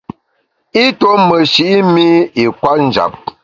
I tuo meshi’ mi i kwet njap.